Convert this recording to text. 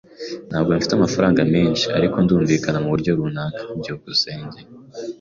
Ntabwo mfite amafaranga menshi, ariko ndumvikana muburyo runaka. byukusenge